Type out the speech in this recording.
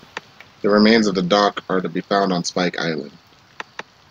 The remains of the dock are to be found on Spike Island.